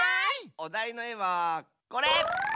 おだいのえはこれ！